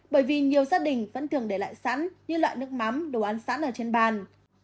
bởi vì nhiều gia đình vẫn thường để lại sẵn như loại nước mắm đồ ăn sẵn ở trên bàn